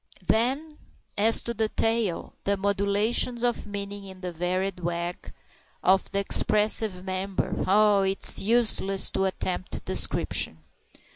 Then as to the tail the modulations of meaning in the varied wag of that expressive member oh! it's useless to attempt description.